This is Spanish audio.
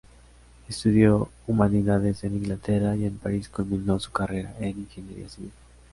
Estudió Humanidades en Inglaterra y en París culminó su carrera en Ingeniería Civil.